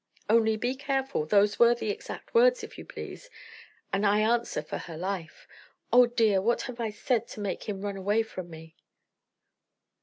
'Only be careful' (those were the exact words, if you please), 'and I answer for her life.' Oh, dear! what have I said to make him run away from me?"